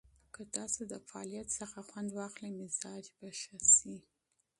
که تاسو د فعالیت څخه خوند واخلئ، مزاج به ښه شي.